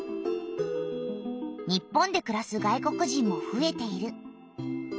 日本でくらす外国人もふえている。